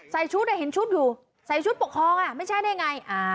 ใส่ชุดเห็นชุดอยู่ใส่ชุดปกครองไม่ใช่ได้ไง